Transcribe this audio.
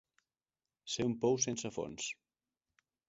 Ser un pou sense fons.